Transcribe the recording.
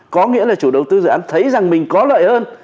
có nghĩa là chủ đầu tư dự án thấy rằng mình có lợi hơn